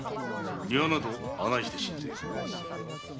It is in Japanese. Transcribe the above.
庭など案内して進ぜよう。